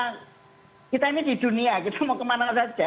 karena kita ini di dunia kita mau kemana saja